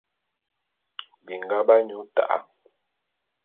Binga b'anyu ta'a.